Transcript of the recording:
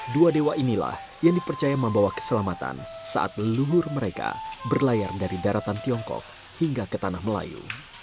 dua dewa inilah yang dipercaya membawa keselamatan saat leluhur mereka berlayar dari daratan tiongkok hingga ke tanah melayu